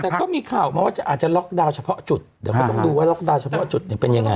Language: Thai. แต่ก็มีข่าวมาว่าอาจจะล็อกดาวน์เฉพาะจุดเดี๋ยวก็ต้องดูว่าล็อกดาวน์เฉพาะจุดเนี่ยเป็นยังไง